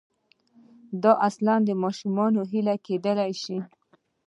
دا اصلاً ماشومانه هیله کېدای شي.